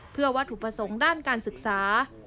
เพื่อว่าถูกผสมด้านการศึกษา